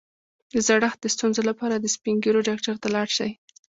د زړښت د ستونزو لپاره د سپین ږیرو ډاکټر ته لاړ شئ